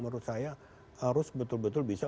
menurut saya harus betul betul bisa